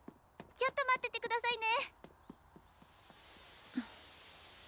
ちょっと待ってて下さいね！